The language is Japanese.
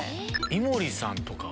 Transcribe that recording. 井森さんとか。